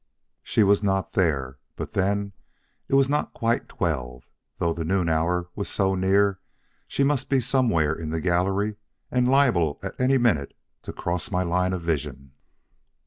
"She was not there, but then it was not quite twelve, though the noon hour was so near she must be somewhere in the gallery and liable at any minute to cross my line of vision.